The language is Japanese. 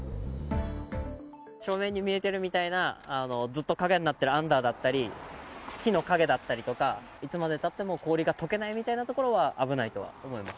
正面に見えているみたいな、ずっと陰になってるアンダーだったり、木の陰だったりとか、いつまでたっても氷がとけないみたいな所は危ないと思います。